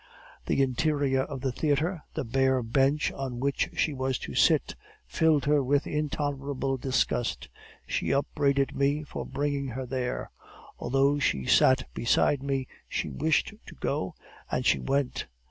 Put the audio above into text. The interior of the theatre, the bare bench on which she was to sit, filled her with intolerable disgust; she upbraided me for bringing her there. Although she sat beside me, she wished to go, and she went.